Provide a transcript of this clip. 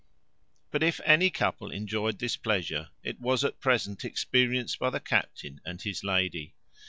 But if ever any couple enjoyed this pleasure, it was at present experienced by the captain and his lady.